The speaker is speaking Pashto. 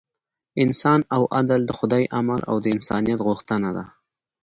انصاف او عدل د خدای امر او د انسانیت غوښتنه ده.